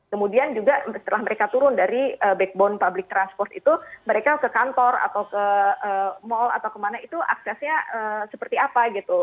kemudian juga setelah mereka turun dari backbone public transport itu mereka ke kantor atau ke mall atau kemana itu aksesnya seperti apa gitu